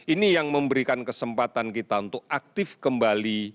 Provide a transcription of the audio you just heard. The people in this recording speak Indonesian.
ini yang memberikan kesempatan kita untuk aktif kembali